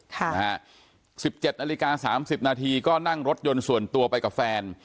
๑๗นาฬิกา๓๐นาทีก็นั่งรถยนต์ส่วนตัวไปกับแฟน